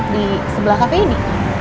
di sebelah cafe ini